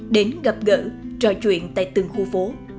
đến gặp gỡ trò chuyện tại từng khu phố